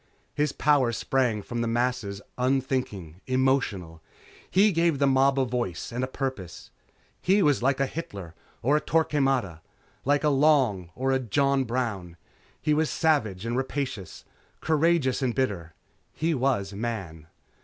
His power sprang from the masses unthinking, emotional. He gave the mob a voice and a purpose. He was like a Hitler or a Torquemada. Like a Long or a John Brown. He was savage and rapacious, courageous and bitter. He was Man.